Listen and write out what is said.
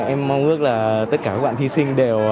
em mong ước là tất cả các bạn thí sinh đều